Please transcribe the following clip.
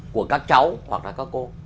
của các cháu hoặc là các cô